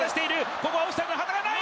ここはオフサイド上がらない。